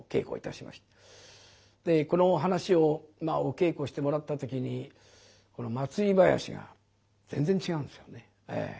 この噺をお稽古してもらった時に祭り囃子が全然違うんですよね。